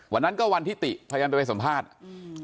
วันนั้นก็วันที่ติพยายามจะไปสัมภาษณ์อืม